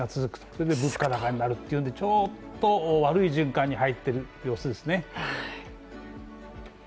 それで物価高になるというのでちょっと悪い循環に入っている様子ですね。